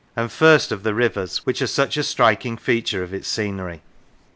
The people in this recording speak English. And first of the rivers, which are such a striking feature of its scenery.